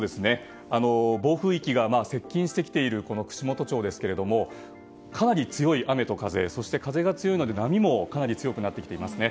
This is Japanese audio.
暴風域が接近してきている串本町ですけれどもかなり強い雨と風そして風が強いので波もかなり強くなっています。